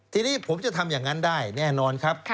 ทีนี้ผมจะทำอย่างนั้นได้แน่นอนครับ